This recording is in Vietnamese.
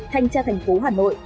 thanh tra thành phố hà nội